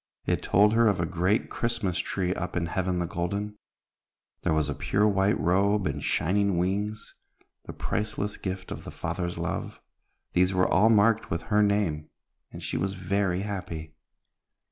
it told her of a great Christmas tree up in Heaven the Golden. There was a pure white robe and shining wings, the priceless gift of the Father's love. These were all marked with her name, and she was very happy.